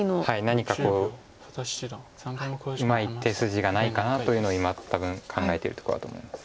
何かこううまい手筋がないかなというのを今多分考えてるとこだと思います。